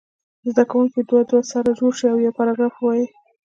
زده کوونکي دوه دوه سره جوړ شي او یو پاراګراف ووایي.